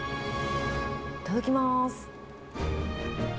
いただきます。